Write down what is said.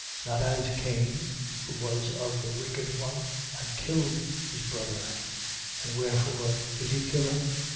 3:12. Not as Cain, who was of the wicked one and killed his brother. And wherefore did he kill him?